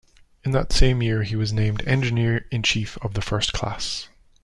In that same year, he was named Engineer-in-Chief of the first class.